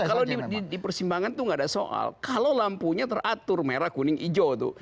kalau di persimpangan itu tidak ada soal kalau lampunya teratur merah kuning hijau itu